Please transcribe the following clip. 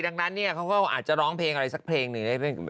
ดังนั้นเนี่ยเขาก็อาจจะร้องเพลงอะไรสักเพลงหนึ่ง